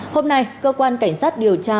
hôm nay cơ quan cảnh sát điều tra